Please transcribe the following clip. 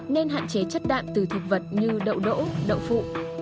nên hạn chế chất đạm từ thực vật như đậu đỗ đậu phụ